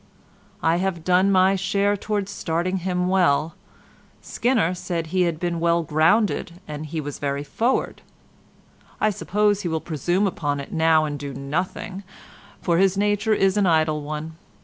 I have done my share towards starting him well. Skinner said he had been well grounded and was very forward. I suppose he will presume upon it now and do nothing, for his nature is an idle one.